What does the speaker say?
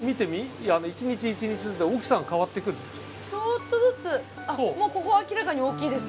ちょっとずつあっもうここは明らかに大きいですね。